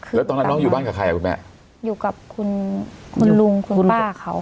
แล้วตอนนั้นน้องอยู่บ้านกับใครอ่ะคุณแม่อยู่กับคุณคุณลุงคุณป้าเขา